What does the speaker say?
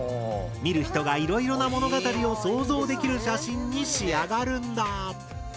見る人がいろいろな物語を想像できる写真に仕上がるんだ。